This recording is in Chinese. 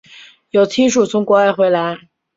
有亲属从国外回来